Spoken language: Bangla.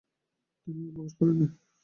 তিনি আর প্রকাশ করেননি।